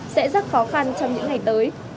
sẽ rất khó khăn trong những ngày tới